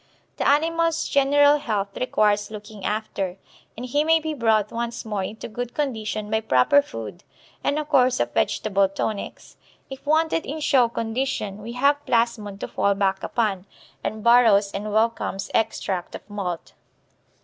The animal's general health requires looking after, and he may be brought once more into good condition by proper food and a course of vegetable tonics. If wanted in show condition we have Plasmon to fall back upon, and Burroughs and Wellcome's extract of malt.